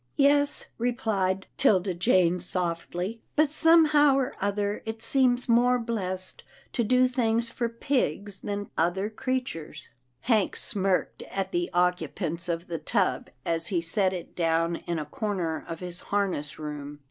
Yes," replied 'Tilda Jane, softly, " but some how or other, it seems more blessed to do things for pigs than other creatures." Hank smirked at the occupants of the tub as he set it down in a corner of his harness room.